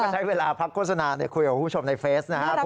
ใช้เวลาพักโฆษณาคุยกับคุณผู้ชมในเฟสนะครับ